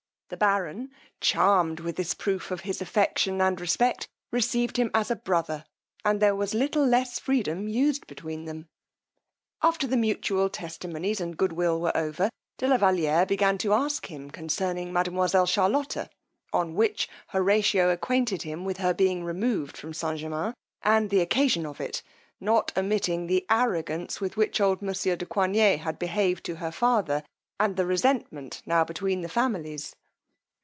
The baron, charm'd with this proof of his affection and respect, received him as a brother, and there was little less freedom used between them. After the mutual testimonies and good will were over de la Valiere began to ask him concerning mademoiselle Charlotta; on which Horatio acquainted him with her being removed from St. Germains, and the occasion of it, not omitting the arrogance with which old monsieur de Coigney had behaved to her father, and the resentment now between the families.